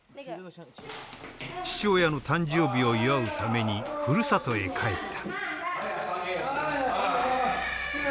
父親の誕生日を祝うためにふるさとへ帰った。